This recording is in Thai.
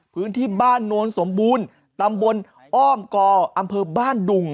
พื้นที่บ้านโนนสมบูรณ์ตำบลอ้อมกออำเภอบ้านดุง